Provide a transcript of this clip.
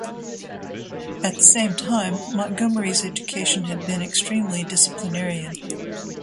At the same time, Montgomery's education had been extremely disciplinarian.